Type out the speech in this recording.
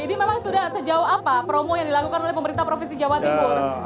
ini memang sudah sejauh apa promo yang dilakukan oleh pemerintah provinsi jawa timur